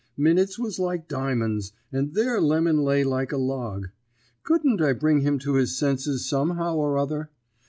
Minutes was like dymens, and there Lemon lay like a log. Couldn't I bring him to his senses somehow or other?